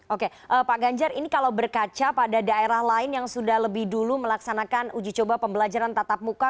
oke pak ganjar ini kalau berkaca pada daerah lain yang sudah lebih dulu melaksanakan uji coba pembelajaran tatap muka